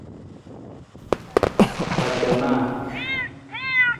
Kpacanaa.